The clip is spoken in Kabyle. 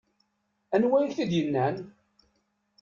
Anwa i ak-t-id-yennan?